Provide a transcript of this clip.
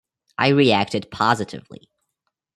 I reacted positively.